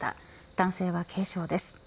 男性は軽傷です。